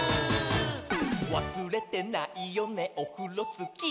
「わすれてないよねオフロスキー」